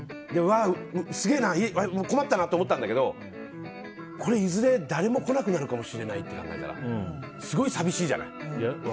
うわ、すげえな困ったなって思ったんだけどこれ、いずれ誰も来なくなるかもしれないと考えたらすごい寂しいじゃない。